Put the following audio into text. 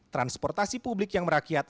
transportasi publik yang merakyat